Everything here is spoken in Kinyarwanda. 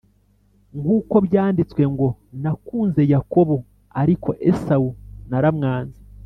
Nk uko byanditswe ngo nakunze Yakobo ariko Esawu naramwanze